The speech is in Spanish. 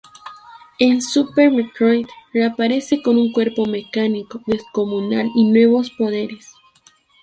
En "Super Metroid" reaparece con un cuerpo mecánico descomunal y nuevos poderes.